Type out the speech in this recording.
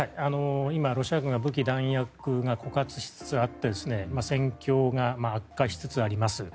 今、ロシア軍が武器弾薬が枯渇しつつあって戦況が悪化しつつあります。